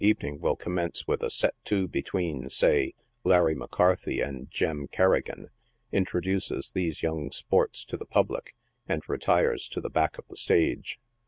evening will commence with a set to between, say, Larry McCarthy and Jem Kerrigan, introduces these young sports to the public, and retires to the back of the stage.